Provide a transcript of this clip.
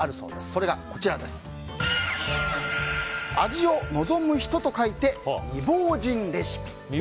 それが、味を望む人と書いて味望人レシピ。